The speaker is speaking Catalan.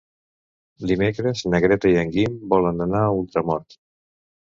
Dimecres na Greta i en Guim volen anar a Ultramort.